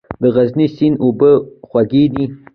د غزني سیند اوبه خوږې دي؟